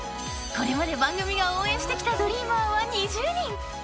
［これまで番組が応援してきたドリーマーは２０人］